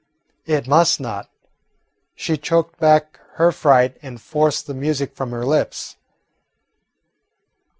It must not. She choked back her fright and forced the music from her lips.